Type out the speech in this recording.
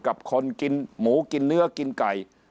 กับคนกินหมูกินเนื้อกินไก่